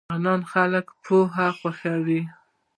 د شغنان خلک پوهه خوښوي